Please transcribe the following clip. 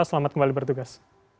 selamat kembali bertugas